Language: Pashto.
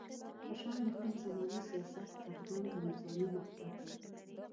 خوشحال د خپلې زمانې سیاست، فرهنګ او نظامي مکتب و.